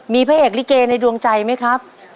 มีพระเอกลิเกในดวงใจไหมครับ